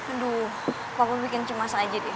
aduh bapak bikin cemas aja deh